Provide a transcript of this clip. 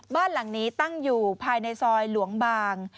บ้านหลังนี้ตั้งอยู่ภายในซอยหลวงบาง